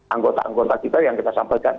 anggota anggota kita yang kita sampaikan